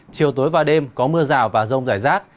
chiều tối và đêm có mưa rào và rông rải rác